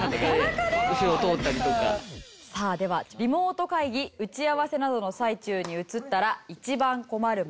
さあではリモート会議打ち合わせなどの最中に映ったら１番困るもの。